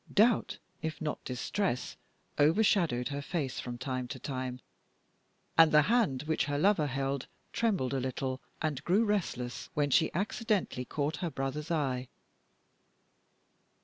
Doubt, if not distress, overshadowed her face from time to time, and the hand which her lover held trembled a little, and grew restless, when she accidentally caught her brother's eye.